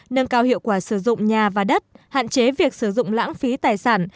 nâng cao hiệu quả sử dụng nhà và đất hạn chế việc sử dụng lãng phí tài sản